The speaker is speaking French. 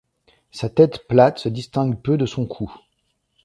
Sa tête plate se distingue peu de son cou.